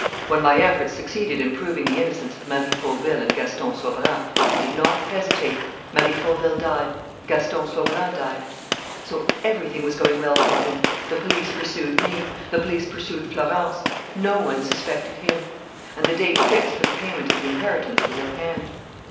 "When my efforts succeeded in proving the innocence of Marie Fauville and Gaston Sauverand, he did not hesitate: Marie Fauville died; Gaston Sauverand died. "So everything was going well for him. The police pursued me. The police pursued Florence. No one suspected him. And the date fixed for the payment of the inheritance was at hand.